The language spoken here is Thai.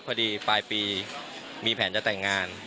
พอดีปลายปีมีแผนจะแต่งงาน